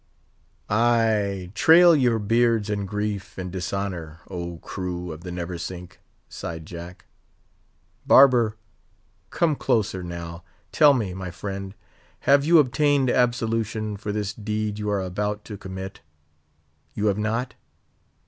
"Ay! trail your beards in grief and dishonour, oh crew of the Neversink!" sighed Jack. "Barber, come closer—now, tell me, my friend, have you obtained absolution for this deed you are about to commit? You have not?